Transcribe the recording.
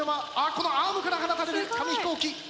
このアームから放たれる紙飛行機。